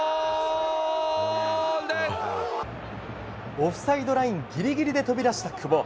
オフサイドラインギリギリで飛び出した久保。